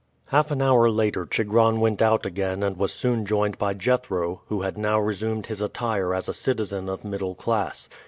Half an hour later Chigron went out again and was soon joined by Jethro, who had now resumed his attire as a citizen of middle class.